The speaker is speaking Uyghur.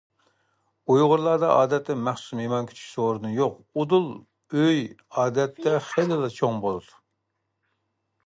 ئۇيغۇرلاردا ئادەتتە مەخسۇس مېھمان كۈتۈش سورۇنى يوق، ئۇدۇل ئۆي ئادەتتە خېلىلا چوڭ بولىدۇ.